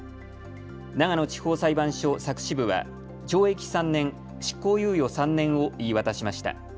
長野地方裁判所佐久支部は懲役３年、執行猶予３年を言い渡しました。